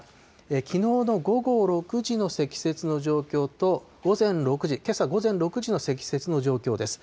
きのうの午後６時の積雪の状況と、午前６時、けさ午前６時の積雪の状況です。